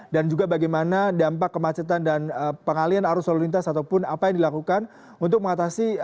dan juga bagaimana dampak kemacetan dan pengalian arus lalu lintas ataupun apa yang dilakukan untuk mengatasi